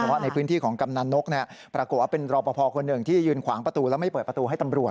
แต่ว่าในพื้นที่ของกำนันนกปรากฏว่าเป็นรอปภคนหนึ่งที่ยืนขวางประตูแล้วไม่เปิดประตูให้ตำรวจ